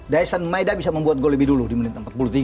daisan maeda bisa membuat gol lebih dulu di menit empat puluh tiga